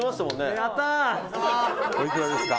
伊達：おいくらですか？